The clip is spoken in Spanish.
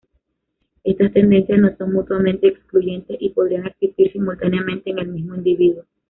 Estas tendencias no son mutuamente excluyentes, y podrían existir simultáneamente en el mismo individuo.